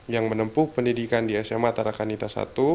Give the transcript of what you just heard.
yang menempuh pendidikan di sma tarakanita i